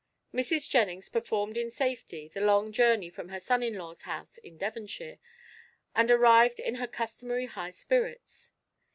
Mrs. Jennings performed in safety the long journey from her son in law's house in Devonshire, and arrived in her customary high spirits.